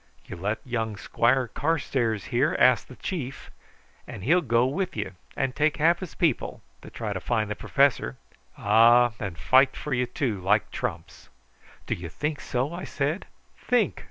You let young Squire Carstairs here ask the chief, and he'll go with you, and take half his people, to try and find the professor; ah, and fight for you too, like trumps." "Do you think so?" I said. "Think!